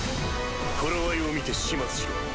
頃合いを見て始末しろ。